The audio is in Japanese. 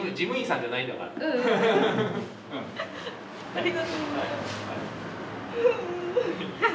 ありがとうございます。